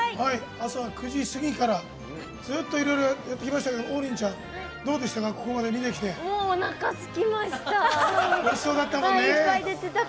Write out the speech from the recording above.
朝９時過ぎからずっといろいろやってきましたけど王林ちゃん、どうですか。